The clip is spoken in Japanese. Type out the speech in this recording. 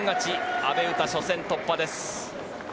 阿部詩、初戦突破です。